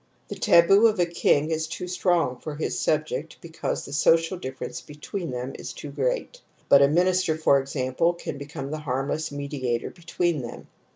The taboo of a king is too strong for his subject because the social difference between them is too great . But a minister, for example, can b ecome the harmless mediator between them.